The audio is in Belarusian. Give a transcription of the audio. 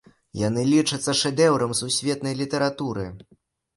Яны лічацца шэдэўрам сусветнай літаратуры.